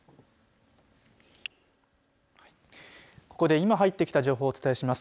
ここで今入ってきた情報をお伝えします。